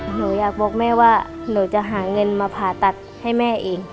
หนูอยากบอกแม่ว่าหนูจะหาเงินมาผ่าตัดให้แม่เอง